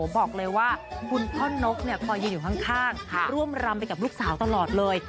บอกเลยว่าคุณพ่อนกคอยยืนอยู่ข้างร่วมรำไปกับลูกสาวตลอดเลย